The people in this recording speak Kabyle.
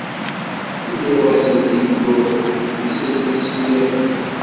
Telliḍ-asen d Illu i sen-ittsemmiḥen.